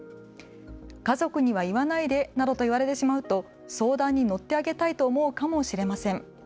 家族には言わないでなどと言われてしまうと相談に乗ってあげたいと思うかもしれません。